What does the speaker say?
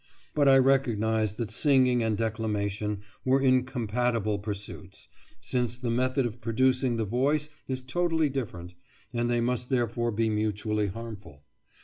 But I recognised that singing and declamation were incompatible pursuits, since the method of producing the voice is totally different, and they must therefore be mutually harmful.